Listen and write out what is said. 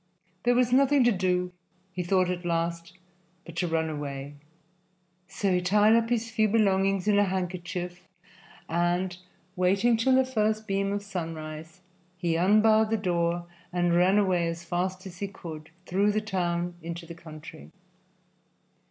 There was nothing to do, he thought at last, but to run away. So he tied up his few belongings in a handkerchief and, waiting till the first beam of sunrise, he unbarred the door and ran away as fast as he could, through the town into the country.